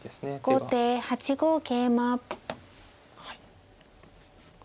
後手８五桂馬。